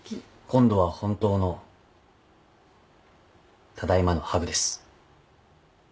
今度は本当のただいまのハグです。